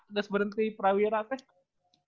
udah berhenti perawiran apa ya